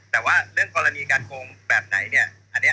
แต่ว่าเรื่องกรณีการโกงแบบไหนเนี่ย